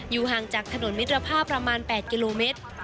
ห่างจากถนนมิตรภาพประมาณ๘กิโลเมตร